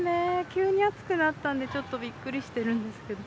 急に暑くなったんで、ちょっとびっくりしてるんですけど。